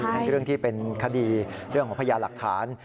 ทั้งเรื่องที่เป็นคดีเรื่องของพญาหลักฐาน